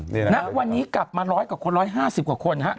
นะวันนี้กลับมาร้อยกว่าคนร้อยห้าสิบกว่าคนฮะ